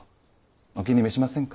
お気に召しませんか？